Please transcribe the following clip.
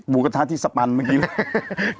บุคทะที่สปันเมื่อกี้ล่ะ